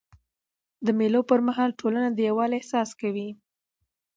د مېلو پر مهال ټولنه د یووالي احساس کوي.